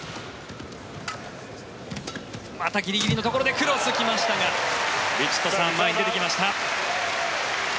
またギリギリのところでクロス来ましたがヴィチットサーン前に出てきました。